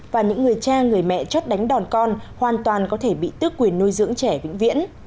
và những người cha người mẹ chót đánh đòn con hoàn toàn có thể bị tước quyền nuôi dưỡng trẻ vĩnh viễn